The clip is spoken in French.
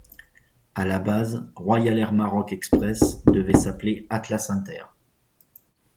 À la base, Royal Air Maroc Express devait s'appeler Atlas Inter.